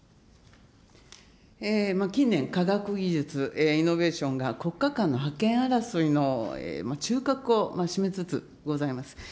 近年、科学技術、イノベーションが国家間の覇権争いの中核を占めつつございます。